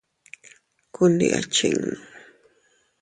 Ku ndi a chinnu.